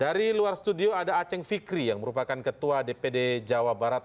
dari luar studio ada aceng fikri yang merupakan ketua dpd jawa barat